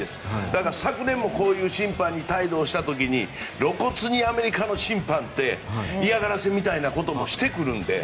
だから、昨年もこういう態度を審判にした時に露骨に、アメリカの審判って嫌がらせみたいなこともしてくるので。